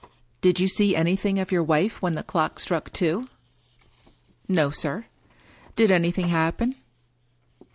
" Did you see anjrthing of your wife when the clock struck two ?"" No, sir." " Did anything happen